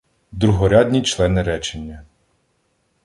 Другорядні члени речення